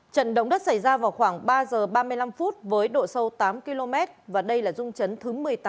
trận động đất xảy ra vào khoảng ba giờ ba mươi năm phút với độ sâu tám km và đây là rung chấn thứ một mươi tám